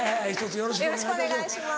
よろしくお願いします。